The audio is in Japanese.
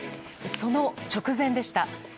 その直前でした。